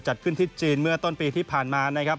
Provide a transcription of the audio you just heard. จัดขึ้นที่จีนเมื่อต้นปีที่ผ่านมานะครับ